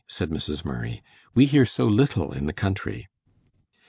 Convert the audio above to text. said Mrs. Murray. "We hear so little in the country."